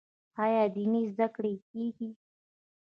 آیا دیني زده کړې کیږي؟